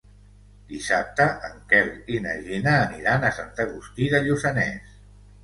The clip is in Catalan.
Dissabte en Quel i na Gina aniran a Sant Agustí de Lluçanès.